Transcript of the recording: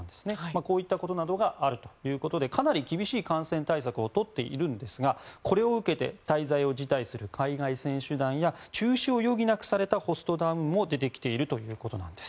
こういったことなどがあるということでかなり厳しい感染対策をとっているんですがこれを受けて滞在を辞退する海外選手団や中止を余儀なくされたホストタウンも出ているということです。